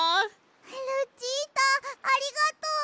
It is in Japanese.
ルチータありがとう！